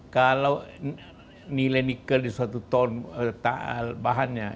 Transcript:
kalau nilai nikel di suatu ton bahannya